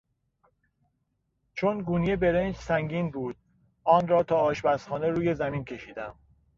چون گونی برنج سنگین بود آن را تا آشپزخانه روی زمین کشیدم.